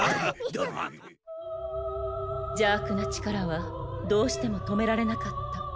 邪悪な力はどうしても止められなかった。